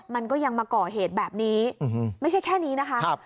มันก็ยังมาก่อเหตุแบบนี้ไม่ใช่แค่นี้นะคะ